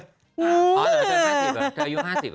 อ๋อเธอ๕๐แล้วเธออายุ๕๐แล้ว